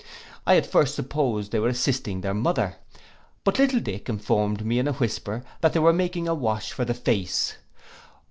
I at first supposed they were assisting their mother; but little Dick informed me in a whisper, that they were making a wash for the face.